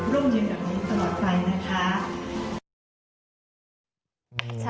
ร่วมยืนแบบนี้ตลอดไปนะคะ